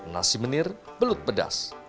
nasi mendir belut pedas